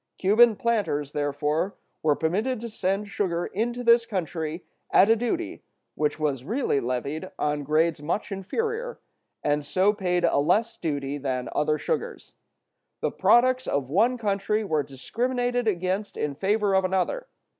Cuban planters, therefore, were permitted to send sugar into this country at a duty which was really levied on grades much inferior, and so paid a less duty than other sugars. The products of one country were discriminated against in favor of another.